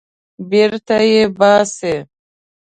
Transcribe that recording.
بېرته یې باسي.